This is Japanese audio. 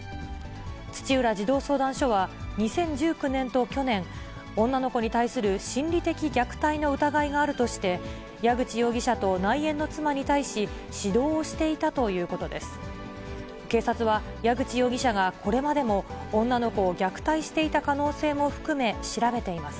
土浦児童相談所は、２０１９年と去年、女の子に対する心理的虐待の疑いがあるとして、矢口容疑者と内縁の妻に対し指導をしていたということです。